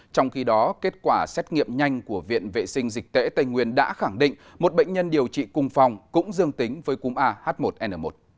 trong khi đó kết quả xét nghiệm nhanh của viện vệ sinh dịch tễ tây nguyên đã khẳng định một bệnh nhân điều trị cung phong cũng dương tính với cúm ah một n một